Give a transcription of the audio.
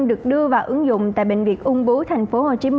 được đưa vào ứng dụng tại bệnh viện ung bú tp hcm